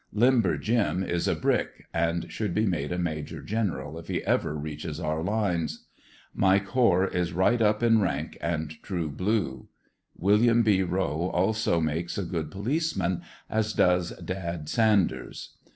"Limber Jim" is a brick, and should be made a Major General if he ever reaches our lines. Mike Hoare is right up m rank, and true blue. Wm. B. Rowe also makes a good policeman, as does ''Dad" Sanders.